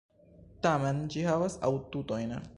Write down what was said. Tamen ĝi havas atutojn...